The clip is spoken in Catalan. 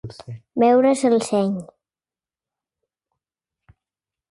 Beure's el seny.